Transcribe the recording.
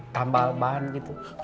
tambah bahan gitu